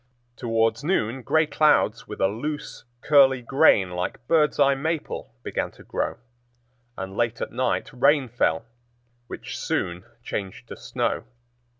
Towards noon gray clouds with a lose, curly grain like bird's eye maple began to grow, and late at night rain fell, which soon changed to snow.